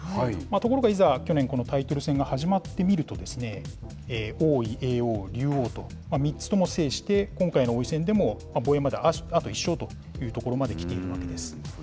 ところがいざ、去年、このタイトル戦が始まってみると、王位、叡王、竜王と、３つとも制して、今回の王位戦でも防衛まであと１勝というところまできているわけです。